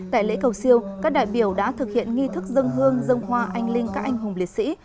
tại lễ cầu siêu các đại biểu đã thực hiện nghi thức dân hương dân hoa anh linh các anh hùng liệt sĩ